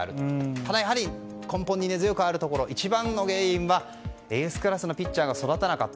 ただやはり根本に根強くあるところ一番の原因はエースクラスのピッチャーが育たなかった。